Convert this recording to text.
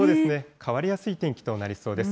変わりやすい天気となりそうです。